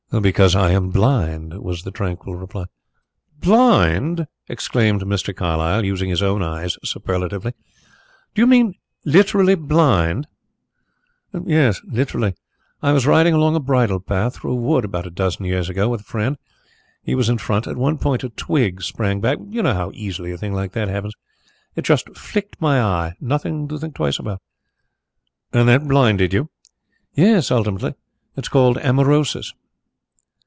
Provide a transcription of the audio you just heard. "Because I am blind," was the tranquil reply. "Blind!" exclaimed Mr. Carlyle, using his own eyes superlatively. "Do you mean literally blind?" "Literally.... I was riding along a bridle path through a wood about a dozen years ago with a friend. He was in front. At one point a twig sprang back you know how easily a thing like that happens. It just flicked my eye nothing to think twice about." "And that blinded you?" "Yes, ultimately. It's called amaurosis."